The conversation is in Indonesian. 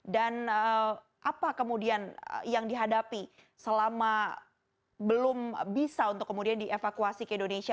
dan apa kemudian yang dihadapi selama belum bisa untuk kemudian dievakuasi ke indonesia